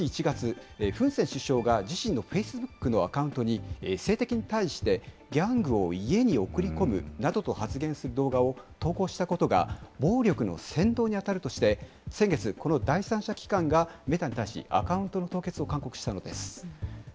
カンボジアではことし１月、フン・セン首相が自身のフェイスブックのアカウントに政敵に対してギャングを家に送り込むなどと発言する動画を投稿したことが暴力の扇動に当たるとして、先月、この第三者機関がメタに対し、アカウントの凍結を勧告したのです。